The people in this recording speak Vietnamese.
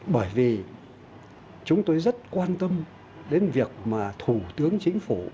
bởi vì chúng tôi rất quan tâm đến việc mà thủ tướng chính phủ